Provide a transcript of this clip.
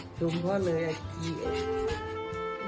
เฮ้ยดูมพ่อเลยอะเกียจ